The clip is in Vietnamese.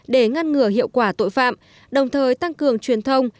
để ngăn ngừa hiệu quả tội phạm đồng thời tăng cường truyền thông